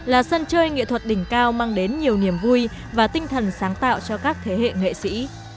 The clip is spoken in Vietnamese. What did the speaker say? là sân chơi nghệ thuật đỉnh cao mang đến nhiều niềm vui và tinh thần sáng tạo cho các thế hệ nghệ sĩ